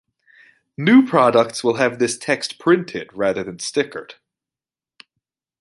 New products will have this text printed, rather than stickered.